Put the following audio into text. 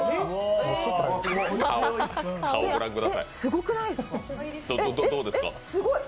え、すごくないですか？！